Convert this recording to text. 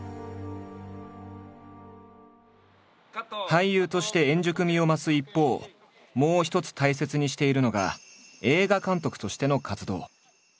俳優として円熟味を増す一方もう一つ大切にしているのが映画監督としての活動。